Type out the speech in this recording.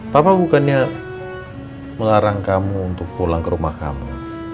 papa bukannya melarang kamu untuk pulang ke rumah kami